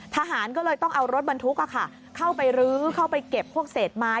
ทหารก็เลยต้องเอารถบรรทุกเข้าไปรื้อเข้าไปเก็บพวกเศษไม้